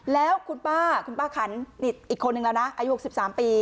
แล้วคุณป้าคุณป้าขันอีกคนนึงแล้วนะอายุ๖๓ปี